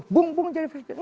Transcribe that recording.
bung bung jadi presiden